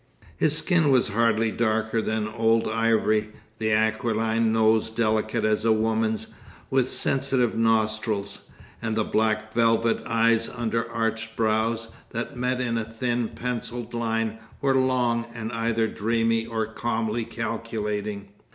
His skin was hardly darker than old ivory: the aquiline nose delicate as a woman's, with sensitive nostrils; and the black velvet eyes under arched brows, that met in a thin, pencilled line, were long, and either dreamy or calmly calculating.